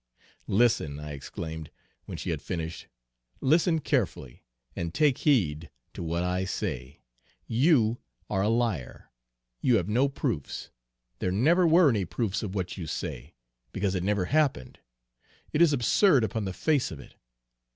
"'Listen,' I exclaimed, when she had finished, 'listen carefully, and take heed to what I say. You are a liar. You have no proofs, there never were any proofs of what you say, because it never happened, it is absurd upon the face of it.